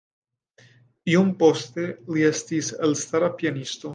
Iom poste li estis elstara pianisto.